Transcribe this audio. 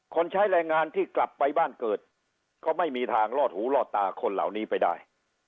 ใช้แรงงานที่กลับไปบ้านเกิดก็ไม่มีทางลอดหูลอดตาคนเหล่านี้ไปได้